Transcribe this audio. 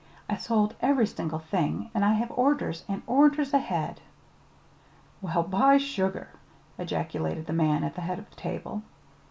I sold every single thing, and I have orders and orders ahead." "Well, by sugar!" ejaculated the man at the head of the table.